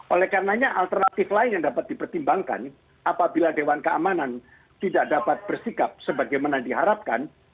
oleh karenanya alternatif lain yang dapat dipertimbangkan apabila dewan keamanan tidak dapat bersikap sebagaimana diharapkan